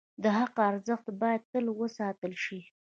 د حق ارزښت باید تل وساتل شي.